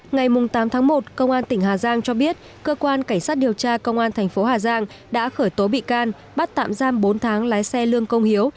ngày tám tháng một công an tỉnh hà giang cho biết cơ quan cảnh sát điều tra công an thành phố hà giang đã khởi tố bị can bắt tạm giam bốn tháng lái xe lương công hiếu